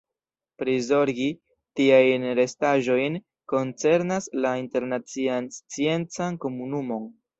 Prizorgi tiajn restaĵojn koncernas la internacian sciencan komunumon.